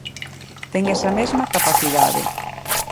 Ten esa mesma capacidade.